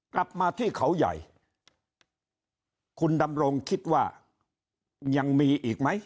กลับมาที่เขาใหญ่คุณดำรงคิดว่ายังมีอีกไหม